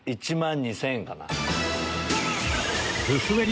１万２０００円かな。